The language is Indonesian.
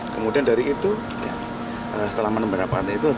kemudian dari itu setelah menembakkannya itu